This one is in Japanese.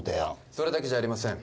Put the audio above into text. それだけじゃありません